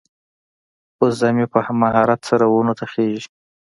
وزه مې په مهارت سره ونو ته خیژي.